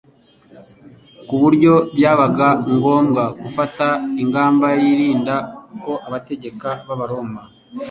ku buryo byabaga ngombwa gufata ingamba yirinda ko abategeka b'abaroma